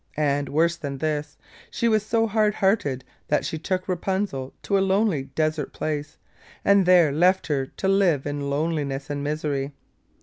And, worse than this, she was so hard hearted that she took Rapunzel to a lonely desert place, and there left her to live in loneliness and misery.